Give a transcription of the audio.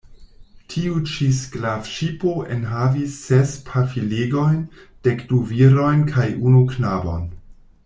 Tiu-ĉi sklavŝipo enhavis ses pafilegojn, dekdu virojn kaj unu knabon.